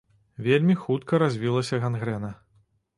Вельмі хутка развілася гангрэна.